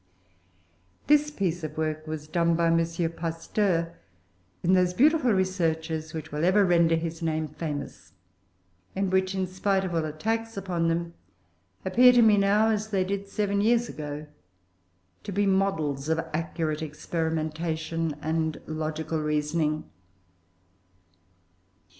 This piece of work was done by M. Pasteur in those beautiful researches which will ever render his name famous; and which, in spite of all attacks upon them, appear to me now, as they did seven years ago, to be models of accurate experimentation and logical reasoning.